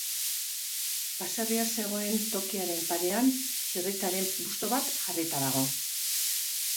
Baserria zegoen tokiaren parean Txirritaren busto bat jarrita dago.